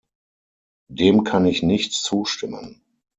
Dem kann ich nicht zustimmen.